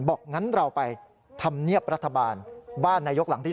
บอกงั้นเราไปทำเนียบรัฐบาลบ้านนายกหลังที่๓